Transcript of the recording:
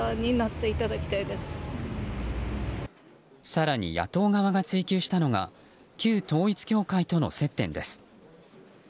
更に野党側が追及したのが旧統一教会との接点です。